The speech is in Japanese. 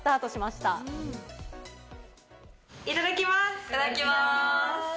いただきます。